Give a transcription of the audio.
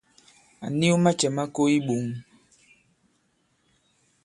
À niw macɛ̌ ma ko i iɓoŋ.